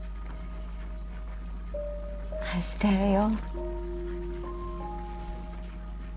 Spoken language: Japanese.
愛してるよ。